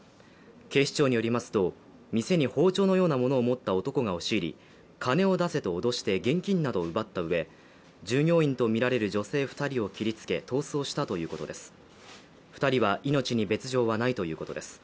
警視庁によりますと店に包丁のようなものを持った男が押し入り金を出せと脅して現金などを奪ったうえ従業員とみられる女性２人を切りつけ逃走したということです、２人は命に別状はないということです。